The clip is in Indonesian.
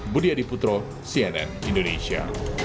budi adiputro cnn indonesia